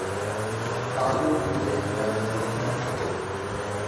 তাঁদের বিবেক এবং বুদ্ধি আছে;